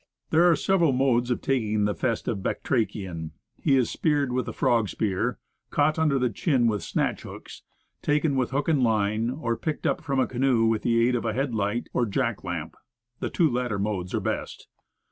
There are several modes of taking the festive batrachian. He is speared with a frog spear; caught under the chin with snatch hooks; taken with hook and line, or picked up from a canoe with the aid of a headlight, or jack lamp. The two latter modes are best.